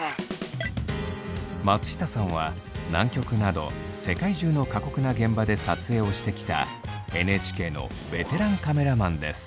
松下さんは南極など世界中の過酷な現場で撮影をしてきたＮＨＫのベテランカメラマンです。